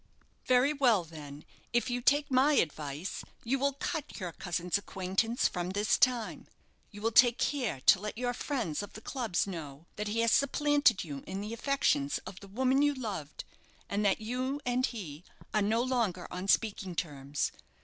"Very well, then, if you take my advice, you will cut your cousin's acquaintance from this time. You will take care to let your friends of the clubs know that he has supplanted you in the affections of the woman you loved, and that you and he are no longer on speaking terms.